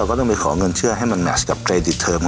ก็ต้องไปขอเงินเชื่อให้มันแมชกับเครดิตเทอม